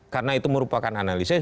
karena itu merupakan analisis